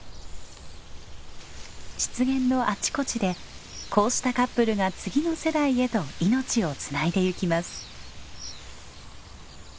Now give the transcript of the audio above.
湿原のあちこちでこうしたカップルが次の世代へと命をつないでゆきます。